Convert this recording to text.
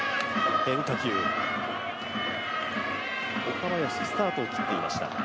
岡林、スタートを切っていました。